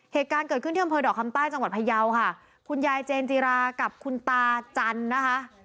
เหตุการณ์เกิดขึ้นที่อำเภอดอกคำใต้จังหวัดพยาวค่ะคุณยายเจนจิรากับคุณตาจันทร์นะคะ